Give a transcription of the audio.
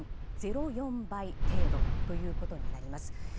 １．０４倍程度ということになります。